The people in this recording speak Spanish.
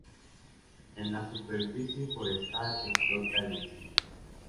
En la superficie forestal se explota el encino.